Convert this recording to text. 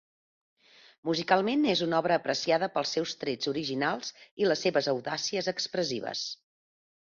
Musicalment, és una obra apreciada pels seus trets originals i les seves audàcies expressives.